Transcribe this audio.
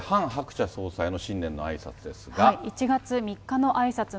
そしてハン・ハクチャ総裁の新年のあいさつですが。